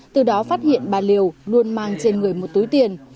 từ đó phát hiện bà liều luôn mang trên người một túi tiền